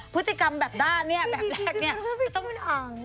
พฤติกรรมแบบด้านเนี่ยแบบแรกเนี่ยไม่ต้อง